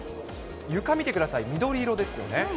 床見てください、緑色ですよね。